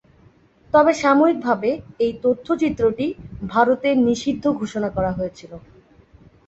তবে সাময়িকভাবে এই তথ্যচিত্রটি ভারতে নিষিদ্ধ ঘোষণা করা হয়েছিল।